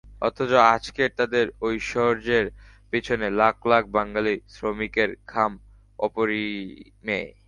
অথচ আজকের তাঁদের ঐশ্বর্যের পেছনে লাখ লাখ বাঙালি শ্রমিকের ঘাম অপরিমেয়।